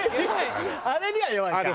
あれには弱いか。